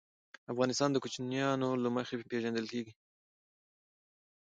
افغانستان د کوچیانو له مخې پېژندل کېږي.